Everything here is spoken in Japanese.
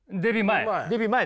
デビュー前。